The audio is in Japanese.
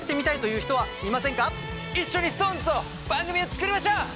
一緒にＳｉｘＴＯＮＥＳと番組を作りましょう！